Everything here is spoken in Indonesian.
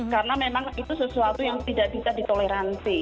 karena memang itu sesuatu yang tidak bisa ditoleransi